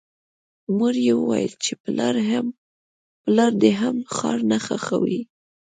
مور یې ویل چې پلار دې هم ښار نه خوښاوه